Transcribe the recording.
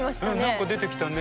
何か出てきたね。